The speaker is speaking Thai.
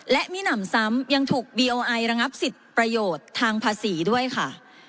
และมิหนำซ้ำยังถูกบีโอไอระงับสิทธิ์ประโยชน์ทางภาษีด้วยค่ะ